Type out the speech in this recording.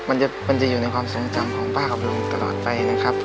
มันจะอยู่ในความทรงจำของป้ากับลุงตลอดไปนะครับ